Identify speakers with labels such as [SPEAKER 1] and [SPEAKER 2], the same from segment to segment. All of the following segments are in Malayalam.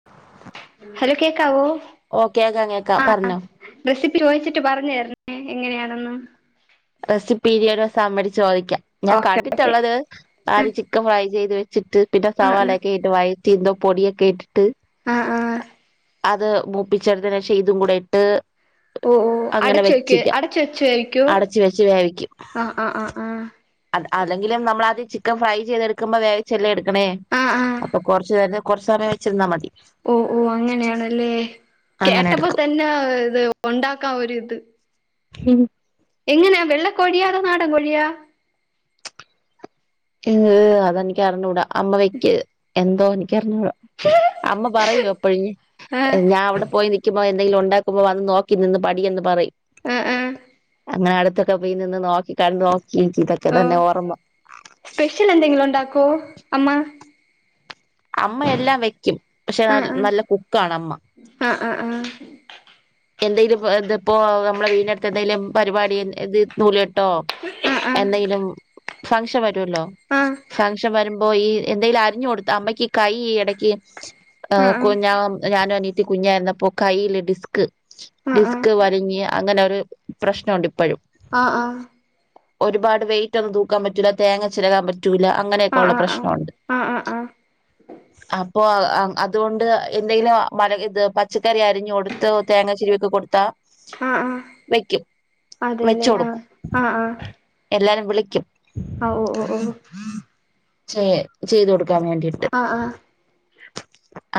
[SPEAKER 1] [inaudible]
[SPEAKER 2] ഹലോ കേക്കാവോ
[SPEAKER 1] ഓഹ് കേക്കാം കേൾക്കാം
[SPEAKER 2] ആഹ്
[SPEAKER 1] പറഞ്ഞോ
[SPEAKER 2] റെസിപ്പി ചോദിച്ചിട്ട് പറഞ്ഞു തരണേ എങ്ങനെയാണെന്ന്
[SPEAKER 1] റെസിപ്പി ഇനിയുള്ള സമയത്ത് ചോദിക്കാം ഞാൻ
[SPEAKER 2] ഓക്കെ ഓക്കെ
[SPEAKER 1] കണ്ടിട്ടുള്ളത്
[SPEAKER 2] ആഹ്
[SPEAKER 1] ആദ്യം ചിക്കൻ ഫ്രൈ ചെയ്ത് വച്ചിട്ട് പിന്നെ
[SPEAKER 2] ആഹ്
[SPEAKER 1] സവാളൊക്കെ ഇട്ട് വയറ്റി എന്തോ പൊടിയൊക്കെ ഇട്ടിട്ട്
[SPEAKER 2] ആഹ് ആഹ്
[SPEAKER 1] അത് മൂപ്പിച്ചെടുത്തേന് ശേഷം ഇതും കൂടെ ഇട്ട്
[SPEAKER 2] ഓഹ് ഓഹ് അടച്ച് വെക്കേ അടച്ച് വെച്ചതായിരിക്കോ
[SPEAKER 1] അടച്ച് വെച്ചതായിരിക്കും
[SPEAKER 2] ആഹ് ആഹ് ആഹ്
[SPEAKER 1] ആഹ് അല്ലെങ്കിലും നമ്മളാദ്യം ചിക്കൻ ഫ്രൈ ചെയ്തെടുക്കുമ്പോ വേവിച്ചല്ലേ എടുക്കാ ണേ
[SPEAKER 2] ആഹ് ആഹ്
[SPEAKER 1] അപ്പൊ കൊറച്ച് നേരം കുറച്ച് സമയം വെച്ചിരുന്നാ മതി
[SPEAKER 2] ഓഹ് ഓഹ് അങ്ങനെയാണല്ലേ
[SPEAKER 1] അങ്ങനെ
[SPEAKER 2] കേട്ടപ്പോ
[SPEAKER 1] എടുക്കും
[SPEAKER 2] തന്നെ ഇത് ഉണ്ടാക്കാൻ ഒരിത്
[SPEAKER 1] ഉം
[SPEAKER 2] എങ്ങനെയാ വെള്ളക്കോഴിയോ അതോ നാടൻ കോഴിയോ
[SPEAKER 1] ഏഹ് അതെനിക്ക് അറിഞ്ഞൂടാ അമ്മ വെ ക്കല് എന്തോ എനിക്കറിഞ്ഞൂടാ
[SPEAKER 2] [inaudible]
[SPEAKER 1] അമ്മ പറയോ എപ്പഴെ
[SPEAKER 2] ആഹ്
[SPEAKER 1] ഞാനവിടെ പോയി നിൽക്കുമ്പോ എന്തെങ്കിലും ഉണ്ടാക്കുമ്പോ വന്ന് നോക്കി നിന്ന് പടിക്കെന്ന് പറയും
[SPEAKER 2] ആഹ് ആഹ്
[SPEAKER 1] അങ്ങനെ അടുത്തൊക്കെ പോയി നിന്ന് നോക്കി കണ്ടു നോക്കി ഇതൊക്കെ
[SPEAKER 2] ഓ
[SPEAKER 1] തന്നെ ഓർമ്മ
[SPEAKER 2] സ്പെഷ്യൽ എന്തെങ്കിലും ഉണ്ടാക്കോ അമ്മ
[SPEAKER 1] അമ്മയെല്ലാം വെക്കും പക്ഷെ
[SPEAKER 2] ആഹ്
[SPEAKER 1] നല്ല കുക്കാണ് അമ്മ
[SPEAKER 2] ആഹ് ആഹ് ആഹ്
[SPEAKER 1] എന്തെങ്കിലും ഇതിപ്പോ നമ്മളെ വീടിനടുത്ത് എന്തെങ്കിലും പരിപാടി എന്തേലും നൂല്കെട്ടോ
[SPEAKER 2] ഉം അഹ് ആഹ്
[SPEAKER 1] എന്തേലും ഫംഗ്ഷൻ വരുല്ലോ
[SPEAKER 2] ആഹ്
[SPEAKER 1] ഫംഗ്ഷൻ വരുമ്പോ ഈ എന്തെങ്കിലും അരിഞ്ഞു കൊടുത്താ അമ്മക്ക് കൈ ഇടക്ക്
[SPEAKER 2] ആഹ് ആഹ്
[SPEAKER 1] ഞാനും അനിയത്തിയും കുഞ്ഞായിരുന്നപ്പോ കയ്യില് ഡിസ്ക്
[SPEAKER 2] ആഹ്
[SPEAKER 1] ഡിസ്ക് വിങ്ങി അങ്ങനെ ഒരു പ്രശ്നണ്ട് ഇപ്പോഴും
[SPEAKER 2] ആഹ് ആഹ്
[SPEAKER 1] ഒരുപാട് വെയിറ്റൊന്നും തൂക്കാൻ പറ്റൂല തേങ്ങ ചിരകാൻ പറ്റൂല അങ്ങനെയൊക്കെള്ള
[SPEAKER 2] ആഹ് ആഹ്
[SPEAKER 1] പ്രശ്നമുണ്ട്
[SPEAKER 2] ആഹ് ആഹ് ആഹ്
[SPEAKER 1] അപ്പൊ അതുകൊണ്ട് എന്തെങ്കിലും മല ഇത് പച്ചക്കറി അരിഞ്ഞു കൊടുത്ത് തേങ്ങ ചെരവിയൊക്കെ കൊടുത്താ
[SPEAKER 2] ആഹ് ആഹ്
[SPEAKER 1] വെക്കും വെച്ച്
[SPEAKER 2] അതെല്ലേ ആഹ്
[SPEAKER 1] കൊടുക്കും
[SPEAKER 2] ആഹ് ആഹ്
[SPEAKER 1] എല്ലാരും വിളിക്കും
[SPEAKER 2] ആഹ് ഓ ഓ ഓഹ്
[SPEAKER 1] ചെയ് ചെയ്തു കൊടുക്കാൻ വേണ്ടിയിട്ട്
[SPEAKER 2] ആഹ് ആഹ്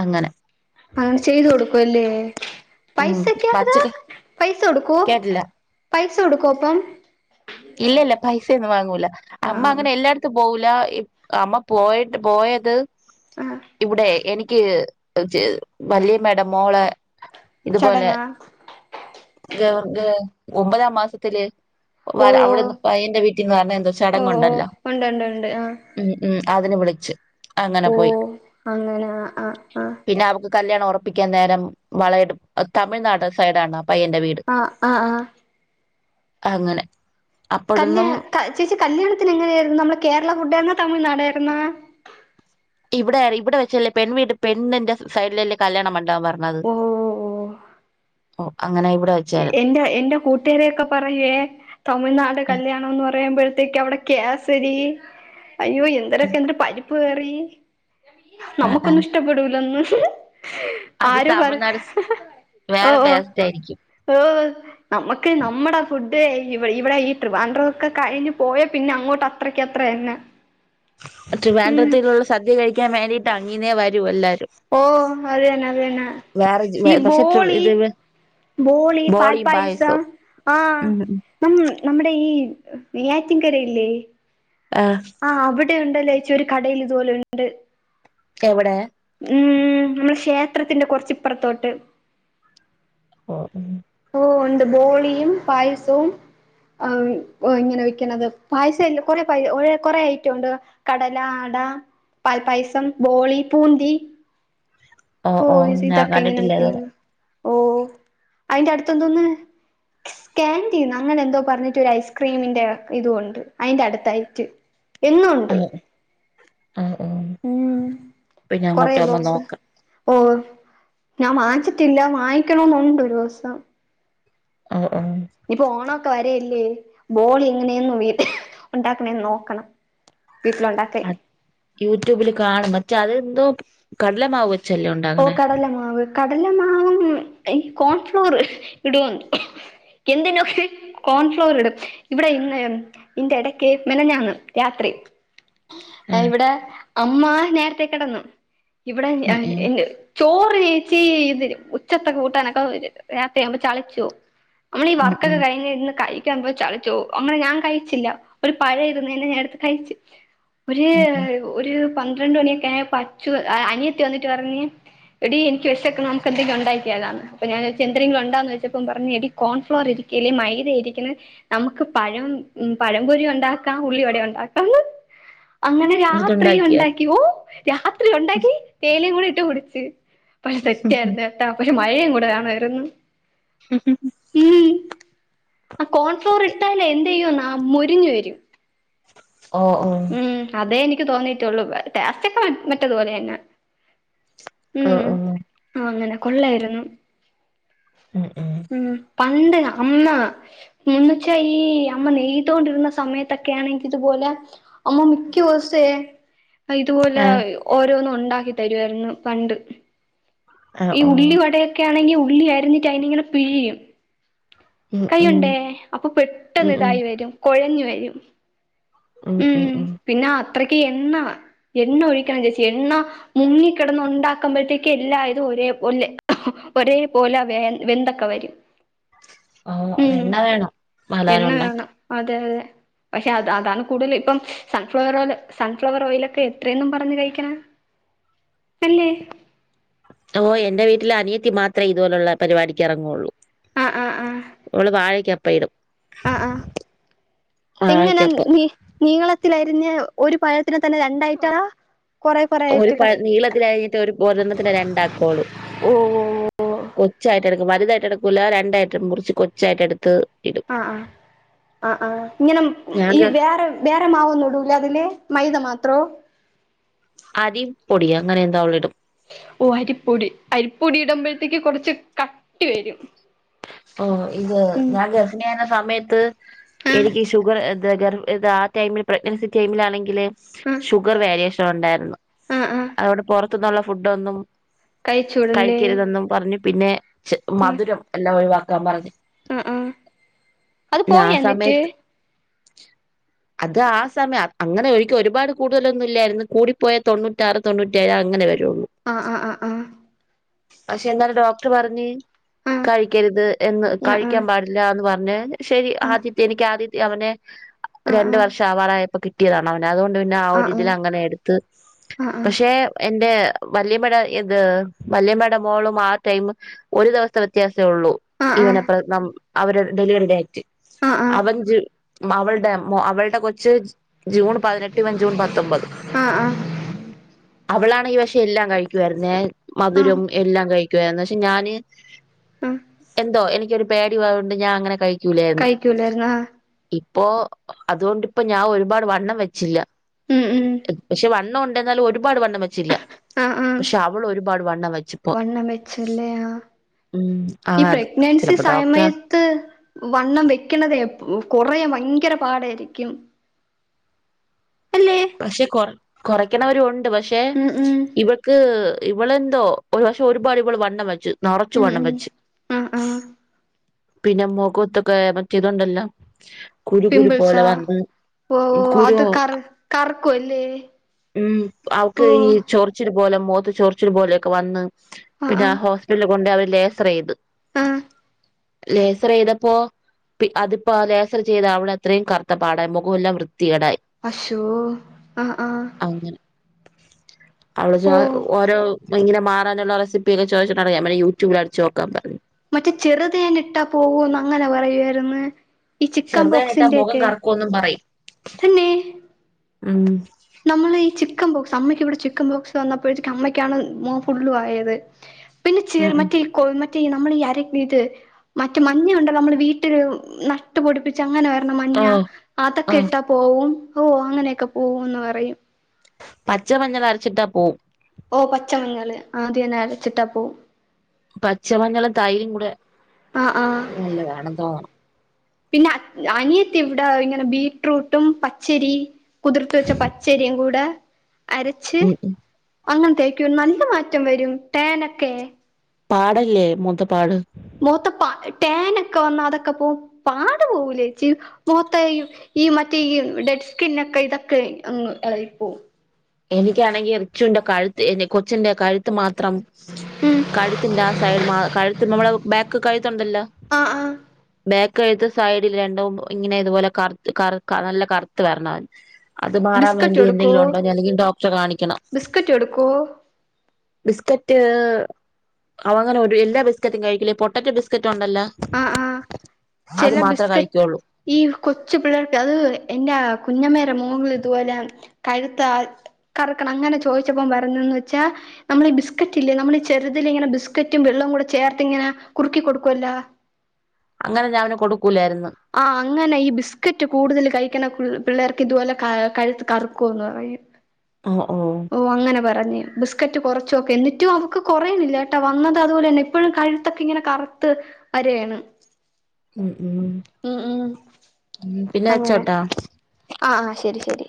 [SPEAKER 1] അങ്ങനെ
[SPEAKER 2] അങ്ങനെ ചെയ്ത് കൊടുക്കു അല്ലേ
[SPEAKER 1] ഉം
[SPEAKER 2] പൈസക്കെതാ
[SPEAKER 1] പച്ചക്ക
[SPEAKER 2] പൈസ കൊടുക്കൂ
[SPEAKER 1] കേട്ടില്ല
[SPEAKER 2] പൈസ കൊടുക്കോ അപ്പം
[SPEAKER 1] ഇല്ല ഇല്ല പൈസഒന്നും വാങ്ങൂല്ല അമ്മ
[SPEAKER 2] ആഹ്
[SPEAKER 1] അങ്ങനെ എല്ലായിടത്തും പോവൂല അമ്മ പോയിട്ട് പോയത്
[SPEAKER 2] ആഹ് ആഹ്
[SPEAKER 1] ഇവിടെ എനിക്ക് ചെയ്ത് വല്യമ്മേട മോളെ ഇതുപോലെ
[SPEAKER 2] ചടങ്ങാ
[SPEAKER 1] ഗർ ഗ ഒമ്പതാം മാസത്തില്
[SPEAKER 2] ഓ
[SPEAKER 1] വരാൻ
[SPEAKER 2] ഓ
[SPEAKER 1] അവിടുന്ന് പയ്യൻ്റെ വീട്ടിൽന്ന് വരുന്ന എന്തോ
[SPEAKER 2] ഓ ഓ
[SPEAKER 1] ചടങ്ങുണ്ടല്ലോ
[SPEAKER 2] ഉണ്ട് ഉണ്ട് ഉണ്ട് ആഹ്
[SPEAKER 1] ഉം ഉം അതിന് വിളിച്ച് അങ്ങനെ
[SPEAKER 2] ഓ
[SPEAKER 1] പോയി
[SPEAKER 2] അങ്ങനെ ആഹ് ആഹ്
[SPEAKER 1] പിന്നെ അവക്ക് കല്യാണം ഉറപ്പിക്കൻ നേരം വളയിടും തമിഴ്നാട് സൈഡാണ് ആ പയ്യൻ്റെ വീട്
[SPEAKER 2] ആഹ ആഹ ആഹ
[SPEAKER 1] അങ്ങനെ
[SPEAKER 2] കല്
[SPEAKER 1] അപ്പോഴൊന്നും
[SPEAKER 2] ചേച്ചി കല്യാണത്തിന് എങ്ങനെയായിരുന്നു നമ്മള കേരള ഫുഡായിരുന്ന തമിഴ്നാടായിരുന്നാ
[SPEAKER 1] ഇവിടെ ഇവിടെ വെച്ചല്ലെ പെൺ വീട്ട പെണ്ണിന്റെ സൈഡില് അല്ലേ കല്യാണം മണ്ഡപ വ [unintelligible]
[SPEAKER 2] ഓ ഓ
[SPEAKER 1] ഓ അങ്ങനെ ഇവിടായി
[SPEAKER 2] എൻ്റെ എന്റെ കൂട്ടുകാരിക്ക പറയുവെ തമിഴ്നാട് കല്യാണം എന്ന് പറയുമ്പഴത്തേക്കും അവിടെ കേസരി അയ്യോ എന്തരക്കെ എന്തര് പരിപ്പ് കറീ
[SPEAKER 1] ആ ആ
[SPEAKER 2] നമ്മുക്കൊന്നും ഇഷ്ടപ്പെടൂലന്ന്
[SPEAKER 1] അത്
[SPEAKER 2] ആരു പറഞ്ഞ ഹ്ഹ് ഓ ഓ
[SPEAKER 1] തായിരിക്കും
[SPEAKER 2] ഓഹ് നമുക്ക് നമ്മടെ ഫുഡ് ഇവിടെ ഈ ട്രിവാൻഡ്രം ഒക്കെ കഴിഞ്ഞ് പോയ പിന്നെ അങ്ങോട്ട് അത്രക്ക് അത്ര തന്നെ [inaudible] ഉം
[SPEAKER 1] ട്രിവാൻഡ്രത്തിന്നുള്ള സദ്യ കഴിക്കാൻ വേണ്ടിയിട്ട് അങ്ങിന്നേ വരും എല്ലാരും
[SPEAKER 2] ഓ അതിയന്ന അതന്നെ
[SPEAKER 1] വേറെ ജി-
[SPEAKER 2] ഈ
[SPEAKER 1] വേ- പക്ഷെ ട്രി-
[SPEAKER 2] ബോളി
[SPEAKER 1] ഇത്
[SPEAKER 2] ബോളി പാൽ
[SPEAKER 1] ബോളിയും
[SPEAKER 2] പായസം
[SPEAKER 1] പായസവും
[SPEAKER 2] ആഹാ
[SPEAKER 1] ഉം ഉം.
[SPEAKER 2] ഇപ്പം നമ്മടെ ഈ നെയ്യാറ്റിൻകരയില്ലേ
[SPEAKER 1] ആഹ്
[SPEAKER 2] ആഹ് അവിടെ ഉണ്ടല്ലഏച്ചി ഒരു കടയിൽ ഇതുപോലെ ഉണ്ട്
[SPEAKER 1] എവിടെ
[SPEAKER 2] ഉം നമ്മുടെ ക്ഷേത്രത്തിന്റെ കുറച്ച് ഇപ്പറത്തോട്ട്
[SPEAKER 1] ഓ
[SPEAKER 2] ഓ ഒണ്ട് ബോളിയും പായസവും ആ ഓ ഇങ്ങനെ വെക്കണത് പായസ ഇല്ല കുറെ പായസ കുറേ ഐറ്റം ഉണ്ട് കടല ആട പാൽപ്പായസം ബോളി പൂന്തി ഓ ഏച്ചി
[SPEAKER 1] ഞാൻ
[SPEAKER 2] ഇതൊക്കെ ഇങ്ങനെ
[SPEAKER 1] കണ്ടിട്ടില്ല ഇതുവരെ
[SPEAKER 2] വെക്കണത് ഓ അയിന്റെ അടുത്ത് എന്തോന്ന് സ്‌ക്യാൻഡീന്ന അങ്ങനെ എന്തോ പറഞ്ഞിട്ട് ഒരു ഐസ്ക്രീമിന്റെ ഇതും ഉണ്ട് അതിന്റെ അടുത്തായിട്ട്
[SPEAKER 1] ആ,
[SPEAKER 2] എന്നുണ്ട്
[SPEAKER 1] ആ, ആ.
[SPEAKER 2] ഉം
[SPEAKER 1] പിന്നെ
[SPEAKER 2] കൊറെ
[SPEAKER 1] അങ്ങോട്ട് പോകുമ്പോ
[SPEAKER 2] ബോക്സ്
[SPEAKER 1] നോക്കാം
[SPEAKER 2] ഓ ഞാൻ വാങ്ങിച്ചിട്ടില്ല വായ്ക്കണന്നുണ്ട് ഒരു ദിവസം
[SPEAKER 1] ഓ ഓ
[SPEAKER 2] ഇപ്പ ഓണൊക്കെ വരല്ലേ ബോളി എങ്ങനെയന്നു വീട്ടി ഉണ്ടാക്കണേന്ന് നോക്കണം വീട്ടില് ഉണ്ടാക്കാൻ
[SPEAKER 1] യൂട്യൂബിൽ കാണും മറ്റേ അതെന്തോ കടലമാവ് വെച്ചല്ലേ
[SPEAKER 2] ഓ
[SPEAKER 1] ഉണ്ടാകണേ
[SPEAKER 2] കടലമാവ് കടലമാവും ഈ കോൺഫ്ലവർ ഇടുവാന്തോ എന്തിനോ ഹ്ഹ് കോൺഫ്ലവർ ഇടും ഇവിടെ ഇന്ന് ഇന്റെ ഇടയ്ക്ക് മിനിഞാന്ന് രാത്രി
[SPEAKER 1] ആഹ്
[SPEAKER 2] ഇവിടെ അമ്മ നേരത്തേ കിടന്നു ഇവിടെ
[SPEAKER 1] ഉം ഉം
[SPEAKER 2] ചോറ് ചേച്ചി ഇതിരും ഉച്ചത്ത കൂട്ടാനൊക്കെവരും രാത്രിയാവുമ്പോ ചളിച്ചപോവും നമ്മള് ഈ
[SPEAKER 1] ഉം
[SPEAKER 2] വർകൊക്കെ
[SPEAKER 1] ഉം
[SPEAKER 2] കഴിഞ് ഇരുന്ന് കഴി ചളിച്ചുപോവും അങ്ങനെ ഞാൻ കഴിച്ചില്ല ഒരു പഴ ഇരുന്നേനെ ഞാൻ എടുത്ത് കഴിച്ച് ഒര്
[SPEAKER 1] ഉം ഉം
[SPEAKER 2] ഒരു പന്ത്രണ്ട് മണിയൊക്കെ ആയപ്പ അച്ചു അനിയത്തി വന്നിട്ട് പറഞ്ഞ് എടിഎനിക്ക് വിശക്കണ് നമുക്ക് എന്തെങ്കിലും ഉണ്ടാക്കിയാലാന്ന് അപ്പ ഞാൻ ചോയ്ച്ച് എന്തരെങ്കിലും ഉണ്ടാന്ന് ചോയ്ച്ചപ്പം പറഞ്ഞ് എടി കോൺഫ്ലോർ ഇരിക്കല്ല് മൈദ ഇരിക്ക്ണ് നമ്മക്ക് പഴം ഉം പഴംപൊരി ഒണ്ടാക്കാം ഉള്ളിവട ഒണ്ടാക്കാം അങ്ങനെ രാത്രി
[SPEAKER 1] എന്നിട്ടുണ്ടാക്കിയോ
[SPEAKER 2] ഒണ്ടാക്കി ഓ രാത്രി ഒണ്ടാക്കി തേയിലേം കൂടി ഇട്ട് കുടിച്ച് പക്ഷെ സെറ്റായായിരുന്നേട്ടോ പക്ഷെ മഴയും കൂടെ വേണാര്ന്നു
[SPEAKER 1] ഉം ഉം
[SPEAKER 2] ഈ ആ കോൺഫ്ലോർട്ട്ലാന്തെയ്യുന്ന മുരിഞ്ഞ് വെരും
[SPEAKER 1] ഓ ഓ
[SPEAKER 2] അതെ എനിക്ക് തോന്നീട്ടുള്ളൂ ടെസ്റ്റൊക്കെ മറ്റേത് പോലെന്ന
[SPEAKER 1] ഓഹ്
[SPEAKER 2] ഉം
[SPEAKER 1] ഓഹ്
[SPEAKER 2] ആ അങ്ങനെ കൊള്ളായിരുന്നു
[SPEAKER 1] ഉം ഉം
[SPEAKER 2] ഉം പണ്ട് അമ്മ മുന്ന്ച്ച ഈ അമ്മ നെയ്തോണ്ടിരുന്ന സമയത്തൊക്ക്യാണെങ്കി ഇതുപോലെ അമ്മ മിക്യുസേ ഇതുപോലെ
[SPEAKER 1] ആഹ്
[SPEAKER 2] ഓരോന്നും ഒണ്ടാക്കി തരുവാരുന്നു പണ്ട്
[SPEAKER 1] ആഹ്
[SPEAKER 2] ഈ
[SPEAKER 1] ഓഹ്
[SPEAKER 2] ഉള്ളി വടയൊക്കാണെങ്കി ഉള്ളി അറിഞ്ഞിട്ട് അതിങ്ങനെ പിഴിയും
[SPEAKER 1] ഉം ഉം
[SPEAKER 2] കയ്യുണ്ടേ അപ്പൊ
[SPEAKER 1] ഉം
[SPEAKER 2] പെട്ടെന്ന്
[SPEAKER 1] ഉം
[SPEAKER 2] ഇതായി വെരും കൊഴഞ് വെരും
[SPEAKER 1] ഉം ഉം ഉം
[SPEAKER 2] പിന്നെ അത്രയ്ക്ക് എണ്ണ എണ്ണ ഒഴിക്കണം ചേച്ചി എണ്ണ മുങ്ങിക്കിടന്ന് ഉണ്ടാക്കുമ്പോഴത്തേക്ക് എല്ലായ് തും ഒരേ ഒല്ലെ ഒരേ പോലെ വെ വെന്തൊക്കെ വരും
[SPEAKER 1] ആഹ്
[SPEAKER 2] ഉം
[SPEAKER 1] എണ്ണ വേണം പലാരം ഒണ്ടാക്ക
[SPEAKER 2] അതെ അതെ പഷെ അത അതാന്ന് കൂടുതൽ ഇപ്പം സൺഫ്ലവർ ഓയില് സൺഫ്ലവർ ഓയിലൊക്കെ എത്രേന്നും പറഞ്ഞ് കഴിക്ക്ണെ അല്ലേ
[SPEAKER 1] ഓഹ് എന്റെ വീട്ടിൽ അനിയത്തി മാത്രേ ഇതുപോലൊള്ള പരിപാടിക്ക് എറങ്ങോള്ളൂ
[SPEAKER 2] ആഹ് ആഹ് ആഹ്
[SPEAKER 1] മ്മള് വാഴക്കാപ്പയിടും
[SPEAKER 2] ആഹ് ആഹ് ഇങ്ങന
[SPEAKER 1] വാഴക്കപ്പം
[SPEAKER 2] നീ നീളത്തിലരിഞ്ഞ ഒരു പഴത്തിനെ തന്നെ രണ്ടായിട്ട
[SPEAKER 1] ഒരു പഴ് നീളത്തി അരിഞ്ഞിട്ട് ഒരു പൊരണത്തി രണ്ടാക്കോള്
[SPEAKER 2] ഓ ഓ
[SPEAKER 1] കൊച്ചായിട്ട് എടുക്കും വലുതായിട്ടെടുക്കൂില്ല രണ്ടായിട്ട് മുറിച്ച് കൊച്ചായിട്ടെട്ത്ത്
[SPEAKER 2] ആഹ് ആഹ് ആഹ് ആഹ് ഇങ്ങനെ
[SPEAKER 1] ഞാൻ
[SPEAKER 2] ഈ വ്യേറെ വേറെ മാവൊന്നും ഇടൂല അതില് മൈദ മാത്രോ
[SPEAKER 1] അരി പൊടിയ അങ്ങനെ എന്തോ അവളിടും
[SPEAKER 2] ഓഹ് അരിപ്പൊടി അരിപ്പൊടി ഇടുമ്പഴ്ത്തേക്ക് കൊറച്ച് കട്ടി വരും
[SPEAKER 1] ഓഹ് ഇത്
[SPEAKER 2] ഉം
[SPEAKER 1] ഞാൻ ഗർഹിണി സമയ്ത്ത്
[SPEAKER 2] ആഹ്
[SPEAKER 1] എനിക്കിഷ് ഷുഗർ ദ ഗർ ഇത് ആഹ് ടൈമിൽ പ്രഗ്നൻസി ടൈമിലാണെങ്കില് ഷുഗർ വാരിയേഷൻ ഉണ്ടായിര്ന്നു
[SPEAKER 2] ആഹ് ആഹ് ആഹ്
[SPEAKER 1] അതോടെ പൊറത്തിന്നൊള്ള ഫുഡ്ഡ ഒന്നും
[SPEAKER 2] കഴിച്ചൂടല്ലേ
[SPEAKER 1] കഴിക്കര്തെന്നും പറഞ്ഞു പിന്നെ ച്
[SPEAKER 2] ആഹ്
[SPEAKER 1] മധുരം എല്ലാ ഒഴിവാക്കാ പറഞ്ഞ്
[SPEAKER 2] ആഹ് ആഹ് അത്
[SPEAKER 1] ആഹ്
[SPEAKER 2] പോയാ എന്നിട്ട്
[SPEAKER 1] സമയത്ത്
[SPEAKER 2] [inaudible]
[SPEAKER 1] അത് ആഹ് സമയ അങ്ങനെ ഒഴിക്കും ഒരുപാട് കൂടുതലൊന്നുല്ലേര്ന്നു കൂടിപ്പോയ തൊണ്ണൂറ്റാറ് തൊണ്ണൂറ്റേഴ അങ്ങനെ വെരൊള്ളൂ
[SPEAKER 2] ആഹ് ആഹ് അഹ് ആഹ്
[SPEAKER 1] പഷെ എന്നാലും ഡോക്ടർ പറഞ്ഞ്
[SPEAKER 2] ആഹ്
[SPEAKER 1] കഴിക്കര്ത് എന്ന് കഴിക്കാൻ
[SPEAKER 2] ആഹ്
[SPEAKER 1] പാടില്ലന്ന് പറഞ് ശെരി ആദിത്യ എനിക്ക് ആദിത്യ അവന് രണ്ട്
[SPEAKER 2] ആഹ്
[SPEAKER 1] വർഷം ആവാറായപ്പോ കിട്ടിയതാണ് അവനെ അതോണ്ട് പിന്നെ ആ
[SPEAKER 2] ആഹ് ആഹ് ആഹ് ആഹ് ആഹ്
[SPEAKER 1] ഒരിതിലങ്ങനെ എടുത്ത്
[SPEAKER 2] ആഹ് ആഹ് ആഹ്
[SPEAKER 1] പക്ഷെ
[SPEAKER 2] ആഹ്
[SPEAKER 1] എന്റെ വല്യമ്മേട ഇത് വല്യയമ്മേട മോളും ആ ടൈമ് ഒരു ദിവസത്തെ വ്യത്യാസെ ഒള്ളൂ
[SPEAKER 2] ആഹ്
[SPEAKER 1] ഇവനെ പ്രസ നം അവരുടെ ഡെലിവറി ഡേറ്റ്
[SPEAKER 2] ആഹ് ആഹ്
[SPEAKER 1] അവൻ ജു അവൾടെ അവൾടെ കൊച്ച് ജൂൺ പതിനെട്ട് ഇവൻ ജൂൺ പത്തൊമ്പത്
[SPEAKER 2] ആ ആ
[SPEAKER 1] അവളാണെ പഷെ എല്ലാം കഴിക്കുവായിര്ന്നേ
[SPEAKER 2] ആഹ് ആഹ്
[SPEAKER 1] മധുരൊം എല്ലാം കഴി ക്ക്യോന്നു വെച്ചാ ഞാന്
[SPEAKER 2] ആഹ്
[SPEAKER 1] എന്തോ എനിക്കൊരു പേടി വയൊണ്ട് ഞാനങ്ങനെ കഴിക്കൂലാന്നു
[SPEAKER 2] കഴിക്കൂലായിരുന്നോ
[SPEAKER 1] ഇപ്പൊ അതോണ്ടിപ്പോ ഞാൻ ഒരുപാട് വണ്ണം വെച്ചില്ല
[SPEAKER 2] ഉം ഉം
[SPEAKER 1] പക്ഷെ വണ്ണം ഉണ്ടെന്നാലും ഒരുപാട് വണ്ണം വെച്ചില്ല
[SPEAKER 2] ആഹ് ആഹ്
[SPEAKER 1] പക്ഷെ അവൾ ഒരുപാട് വണ്ണം വെച്ചു
[SPEAKER 2] വണ്ണം വെച്ചല്ലേ ആ
[SPEAKER 1] ഉം ആ
[SPEAKER 2] ഈ
[SPEAKER 1] അത്
[SPEAKER 2] പ്രഗ്നൻസി
[SPEAKER 1] ചിലപ്പോ
[SPEAKER 2] സമയ
[SPEAKER 1] ഡോക്ടർ
[SPEAKER 2] ത്ത് വണ്ണം വെക്കണതേ കൊറേ ഭയങ്കര പാടായിരിക്കും അല്ലേ
[SPEAKER 1] പക്ഷെ കൊർ കൊർക്ക്ണവരൊണ്ട് പക്ഷെ
[SPEAKER 2] ഉം ഉം
[SPEAKER 1] ഇവക്ക് ഇവളെന്തോ ഒരു പക്ഷേ ഒരുപാട് ഇവൾ വണ്ണം വെച്ച് നറച്ച്
[SPEAKER 2] ഉം
[SPEAKER 1] വണ്ണം
[SPEAKER 2] ഉം
[SPEAKER 1] വെച്ച്
[SPEAKER 2] ആഹ് ആഹ്
[SPEAKER 1] പിന്നെ മുഖത്തൊക്കെ മറ്റെ ഇതുണ്ടല്ലോ കുരു കുരു പോലെ
[SPEAKER 2] പിമ്പിൾസാ
[SPEAKER 1] വന്ന്
[SPEAKER 2] ഓ
[SPEAKER 1] കുരു
[SPEAKER 2] അത് കർ കർക്കും അല്ലേ
[SPEAKER 1] ഉം അവക്കീ ചൊറി ച്ചില് പോലെ മോത്ത് ചൊറിച്ചില് പോലെക്കെ വന്ന്
[SPEAKER 2] ആഹ്
[SPEAKER 1] പിന്നെ ഹോസ്പിറ്റലിൽ കൊണ്ടോയി അവര് ലേസറെയ്ത്
[SPEAKER 2] ആ
[SPEAKER 1] ലേസറെയ്തപ്പോ അതിപ്പോ ലേസറെയ്തവടത്രേം കറുത്തപാടായി മുഖല്ലാം വൃത്തികേടായി
[SPEAKER 2] അശോ ആ ആ
[SPEAKER 1] അങ്ങനെ അവള് ജാ
[SPEAKER 2] ഓഹ്
[SPEAKER 1] ഓരോ ഇങ്ങനെ മാറാനുള്ള റെസിപ്പിയൊക്കെ ചോയ്ച്ച്ട്ട് ഞാൻ പറഞ്ഞ് യൂട്യൂബിലടിച്ചോക്കാൻ പറഞ്
[SPEAKER 2] മറ്റേ ചെറ്തേൻട്ടാ പോവൂന്ന് അങ്ങനെ പറയുവായിര്ന്ന് ഈ ചിക്കൻ ബോക്സിന്റോക്കെ
[SPEAKER 1] ക്കൊന്നും പറയും
[SPEAKER 2] തന്നെ
[SPEAKER 1] ഉം
[SPEAKER 2] നമ്മളീ ചിക്കൻ ബോക്സ് അമ്മയ്ക്കിവടെ ചിക്കൻ ബോക്സ് വന്നപ്പഴത്തേക്ക് അമ്മയ്ക്കാണ് മോം ഫുള്ളും ആയത് പിന്നെ [unintelligible]
[SPEAKER 1] ഉം
[SPEAKER 2] മറ്റേ കൊ മറ്റേ നമ്മൾ ഈ അര ഇത് മറ്റെ മഞ്ഞ ഉണ്ടല്ലോ നമ്മൾ വീട്ടിൽ നടു നട്ടുപൊടിപ്പിച്ച അങ്ങനെ വരണ മഞ്ഞ
[SPEAKER 1] ആഹ്
[SPEAKER 2] അതൊക്കെ
[SPEAKER 1] ആഹ്
[SPEAKER 2] ഇട്ടാ പോവും ഓ അങ്ങനെയൊക്കെ പോവുന്ന് പറയും
[SPEAKER 1] പച്ച മഞ്ഞൾ അരച്ചിട്ടാ പോവും
[SPEAKER 2] ഓ പച്ചമഞ്ഞള് ആത് തന്നെ അരച്ചിട്ടാ പോവും
[SPEAKER 1] പച്ചമഞ്ഞളും തൈരും കൂടെ
[SPEAKER 2] ആഹ് ആഹ്
[SPEAKER 1] നല്ലതാണെന്ന് തോന്നണു
[SPEAKER 2] പിന്നെ അനിയത്തി ഇവിടെ ഇങ്ങനെ ബീട്ട്റൂട്ടും പച്ചരിയും കുതിർത്ത് വെച്ച പച്ചരിയും കൂടെ അരച്ച്
[SPEAKER 1] ഉം ഉം
[SPEAKER 2] അങ്ങന തേക്കും നല്ല മാറ്റം വരും തേനൊക്കെ
[SPEAKER 1] പാടല്ലേ മുഖത്തെ പാട്
[SPEAKER 2] മുഖത്തെ പാ ടാനൊക്കെ വന്ന അതൊക്കെ പോവും പാട് പോവൂല ചേച്ചി മുഖത്ത ഈ മറ്റേ ഈ ഡെഡ് സ്കിന് ഒക്കെ ഇതൊക്കെ അങ്ങ് ഇളകി പോവും
[SPEAKER 1] എനിക്കാണെങ്കിൽ റിച്ചുവിന്റെ കഴുത്ത് എൻ്റെ കൊച്ചിന്റെ കഴുത്ത് കഴുത്ത് മാത്രം
[SPEAKER 2] ഉം
[SPEAKER 1] കഴുത്തിൻ്റെ ആ സൈഡ് മാ കഴുത്ത് നമ്മളെ ബാക്കി കഴുത്തുണ്ടല്ലോ
[SPEAKER 2] ആഹ് ആഹ്
[SPEAKER 1] ബാക്ക് കഴുത്ത് സൈഡിൽ രണ്ടും ഇങ്ങനെ ഇതുപോലെ കറുത്ത് കറു നല്ല കറുത്ത് വരുന്നവന് അത് മാറാൻ
[SPEAKER 2] ബിസ്ക്കറ്റ്
[SPEAKER 1] വേണ്ടി
[SPEAKER 2] കൊടുക്കോ
[SPEAKER 1] എന്തെങ്കിലും ഉണ്ടോ അല്ലങ്കിൽ ഡോക്ടറെ കാണിക്കണം
[SPEAKER 2] ബിസ്ക്കറ്റ് കൊടുക്കോ
[SPEAKER 1] ബിസ്ക്കറ്റ് അവൻ അങ്ങനെ ഒരു എല്ലാ ബിസ്ക്കറ്റും കഴിക്കില്ല പൊട്ടറ്റോ ബിസ്ക്കറ്റ് ഉണ്ടല്ലോ
[SPEAKER 2] ആഹ് ആഹ്
[SPEAKER 1] അത്
[SPEAKER 2] ചെല
[SPEAKER 1] മാത്രേ
[SPEAKER 2] ബിസ്കറ്റ്
[SPEAKER 1] കഴിക്കുള്ളൂ
[SPEAKER 2] ഈ കൊച്ചു പിള്ളേർക്ക് അത് എന്റെ കുഞ്ഞമ്മേര മോള് ഇത്പോലെ കഴുത്ത് കറുക്കണ് അങ്ങനെ ചോയിച്ചപ്പം പറഞ്ഞേന്ന് വെച്ചാ നമ്മള് ഈ ബിസ്ക്കറ്റ് ഇല്ലേ നമ്മള് ഈ ചെറുതിലേ ഇങ്ങന ബിസ്ക്കറ്റും വെള്ളവും കൂടെ ചേർത്ത് ഇങ്ങനെ കുറുക്കിക്കൊടുക്കുവല്ലോ
[SPEAKER 1] അങ്ങനെ ഞാൻ അവന് കൊടുക്കൂലായിരുന്നു
[SPEAKER 2] ആ അങ്ങനെ ഈ ബിസ്ക്കറ്റ് കൂടുതല് കഴിക്കണ പിള്ളേർക്ക് ഇത്പോലെ കഴുത്ത് കറുക്കോന്ന് പറയും
[SPEAKER 1] ആഹ് ആഹ്
[SPEAKER 2] ഓ അങ്ങനെ പറഞ്ഞ് ബിസ്ക്കറ്റ് കൊറൊച്ചോക്ക് എന്നിട്ടും അവക്ക് കൊറയണില്ലട്ടൊ വന്നത് അതുപോലന്നെ ഇപ്പഴും കഴുത്തൊക്കെ ഇങ്ങനെ കറുത്ത് വരേണ്
[SPEAKER 1] ഉം ഉം
[SPEAKER 2] ഉം
[SPEAKER 1] പിന്നെ വെച്ചോട്ടാ
[SPEAKER 2] ആഹ് ആഹ് ശരി ശരി